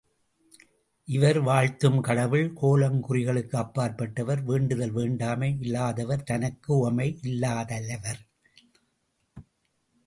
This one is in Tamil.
இவர் வாழ்த்தும் கடவுள், கோலம் குறிகளுக்கு அப்பாற் பட்டவர் வேண்டுதல் வேண்டாமை இல்லாதவர் தனக்குவமை இல்லாத தலைவர்.